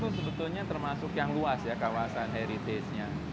itu sebetulnya termasuk yang luas ya kawasan heritage nya